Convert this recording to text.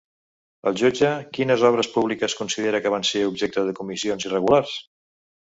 El jutge, quines obres públiques considera que van ser objecte de comissions irregulars?